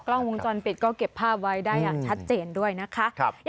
กล้องวงจรปิดก็เก็บภาพไว้ได้อย่างชัดเจนด้วยนะคะ